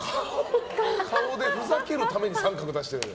顔でふざけるために△出してる。